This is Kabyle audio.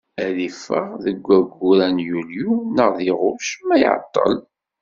Ad d-yeffeɣ deg wayyur-a n yulyu, neɣ deg ɣuct, ma iɛeṭṭel.